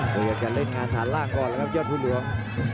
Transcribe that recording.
ก็อยากจะเล่นงานฐานล่างก่อนแล้วครับเจ้าผู้หลวง